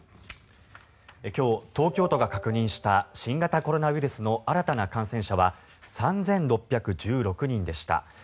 今日、東京都が確認した新型コロナウイルスの新たな感染者は３６１６人でした。